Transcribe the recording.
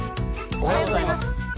おはようございます。